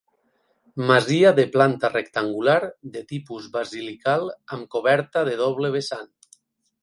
Masia de planta rectangular, de tipus basilical amb coberta a doble vessant.